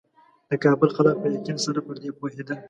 د کابل خلک په یقین سره پر دې پوهېدل.